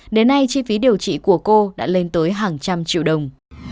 đến nay chi phí điều trị của cô đã lên tới hàng trăm triệu đồng